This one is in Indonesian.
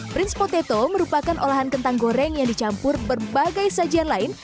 prince potato merupakan olahan kentang goreng yang dicampur berbagai sajian lain